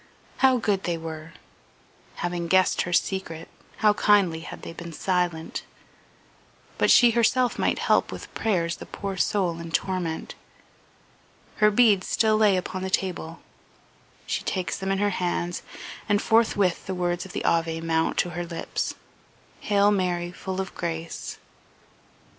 How good they were! Having guessed her secret how kindly had they been silent! But she herself might help with prayers the poor soul in torment. Her beads still lay upon the table; she takes them in her hands, and forthwith the words of the Ave mount to her lips, "Hail Mary, full of grace..."